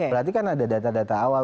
berarti kan ada data data awal